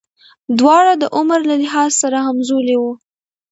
دواړه د عمر له لحاظه سره همزولي وو.